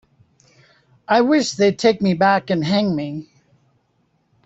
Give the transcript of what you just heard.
I wish they'd take me back and hang me.